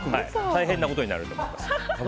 大変なことになると思います。